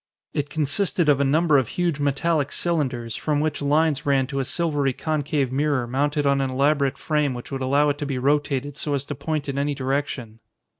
It consisted of a number of huge metallic cylinders, from which lines ran to a silvery concave mirror mounted on an elaborate frame which would allow it to be rotated so as to point in any direction.